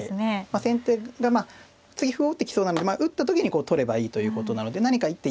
先手がまあ次歩を打ってきそうなのでまあ打った時にこう取ればいいということなので何か一手